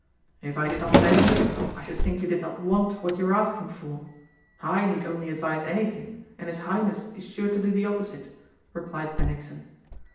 "If I did not know you I should think you did not want what you are asking for. I need only advise anything and his Highness is sure to do the opposite," replied Bennigsen.